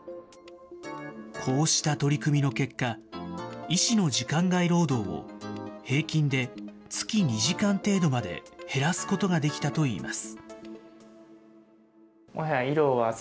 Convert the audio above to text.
こうした取り組みの結果、医師の時間外労働を平均で月２時間程度まで減らすことができたといいます。